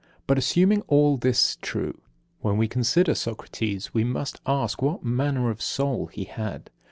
But, assuming all this true, when we consider Socrates, we must ask what manner of soul he had.